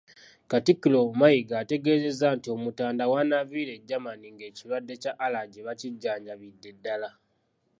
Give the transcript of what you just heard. Katikkiro Mayiga ategeezezza nti Omutanda wanaaviira e Germany ng'ekirwadde kya Allergy bakijjanjabidde ddala.